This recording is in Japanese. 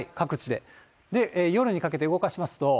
で、夜にかけて動かしますと。